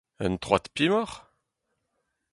Un troad pemoc’h ?